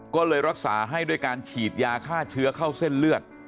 ก็เลยรักษาให้ด้วยการฉีดยาฆ่าเชื้อเข้าเส้นเลือด